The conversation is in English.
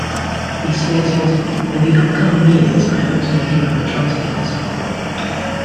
He stated: In the upcoming years, I hope to make another Transplants album.